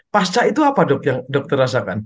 pasca itu apa dokter rasakan